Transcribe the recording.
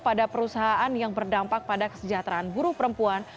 pada perusahaan yang berdampak pada kesejahteraan buruh perempuan